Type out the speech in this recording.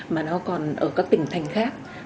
mà nó còn ở các tỉnh thành khác